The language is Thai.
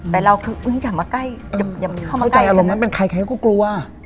แต่เราคืออย่ามาใกล้เข้าใจอารมณ์นั้นเป็นใครก็กลัว